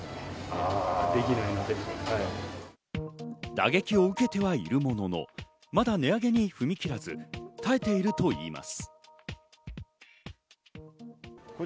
打撃を受けてはいるものの、まだ値上げに踏み切らず耐えているといいます。